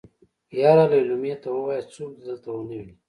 يره ليلما ته وايه څوک دې دلته ونه ويني.